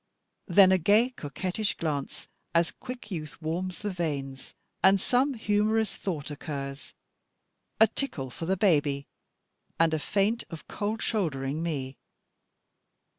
Then a gay coquettish glance, as quick youth warms the veins, and some humorous thought occurs, a tickle for the baby, and a feint of cold shouldering me.